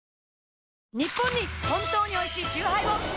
ニッポンに本当においしいチューハイを！